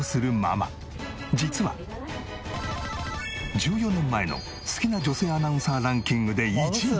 １４年前の好きな女性アナウンサーランキングで１位に。